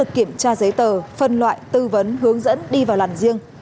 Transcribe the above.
kiểm tra giấy tờ phân loại tư vấn hướng dẫn đi vào làn riêng